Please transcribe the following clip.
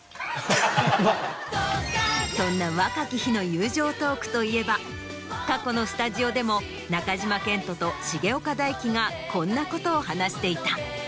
そんな若き日の友情トークといえば過去のスタジオでも中島健人と重岡大毅がこんなことを話していた。